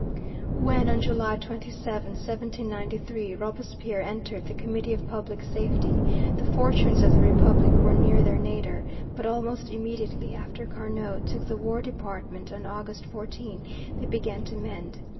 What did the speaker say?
When, on July 27, 1793, Robespierre entered the Committee of Public Safety, the fortunes of the Republic were near their nadir, but almost immediately, after Carnot took the War Department on August 14, they began to mend.